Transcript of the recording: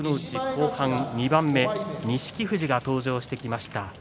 後半２番目錦富士が登場してきました。